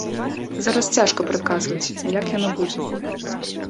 Зараз цяжка прадказваць, як яно будзе.